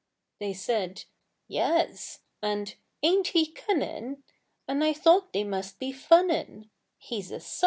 They said, "Yes," and, "Ain't he cunnin'?" And I thought they must be funnin', He's a _sight!